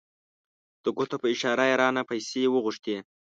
د ګوتو په اشاره یې رانه پیسې وغوښتې.